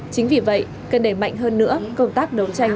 chính vì vậy cân đề mạnh hơn nữa công tác nấu chanh